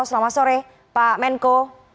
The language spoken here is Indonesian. selamat sore pak menko